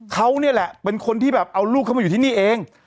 เขานี่แหละเป็นคนที่แบบเอาลูกเขามาอยู่ที่นี่เอง